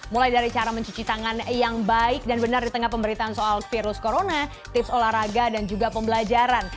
mulai dari cara mencuci tangan yang baik dan benar di tengah pemberitaan soal virus corona tips olahraga dan juga pembelajaran